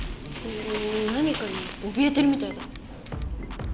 何かにおびえてるみたいだ。